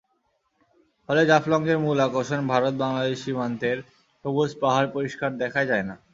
ফলে জাফলংয়ের মূল আকর্ষণ ভারত-বাংলাদেশ সীমান্তের সবুজ পাহাড় পরিষ্কার দেখাই যায় না।